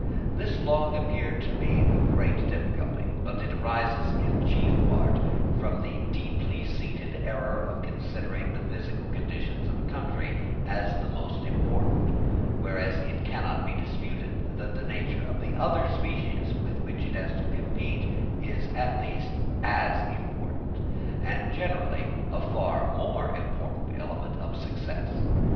This long appeared to me a great difficulty: but it arises in chief part from the deeply seated error of considering the physical conditions of a country as the most important; whereas it cannot be disputed that the nature of the other species with which each has to compete, is at least as important, and generally a far more important element of success.